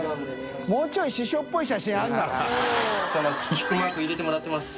菊マーク入れてもらってます。